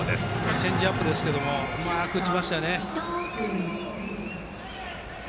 チェンジアップですがうまく打ちましたね。